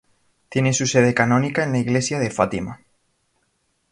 Tiene su sede canónica en la Iglesia de Fátima.